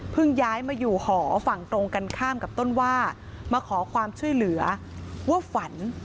ย้ายมาอยู่หอฝั่งตรงกันข้ามกับต้นว่ามาขอความช่วยเหลือว่าฝัน